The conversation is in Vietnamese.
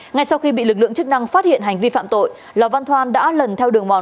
ngay sau khi bị lực lượng chức năng phát hiện hành vi phạm tội lò văn thoan đã lần theo đường mòn